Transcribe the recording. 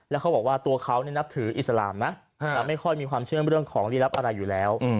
แล้วเขาบอกว่าตัวเขานับถืออิสลามนะไม่ค่อยมีความเชื่อเรื่องของลีลับอะไรอยู่แล้ว